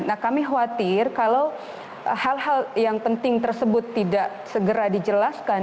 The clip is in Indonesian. nah kami khawatir kalau hal hal yang penting tersebut tidak segera dijelaskan